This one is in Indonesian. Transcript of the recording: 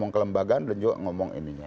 ngomong kelembagaan dan juga ngomong ininya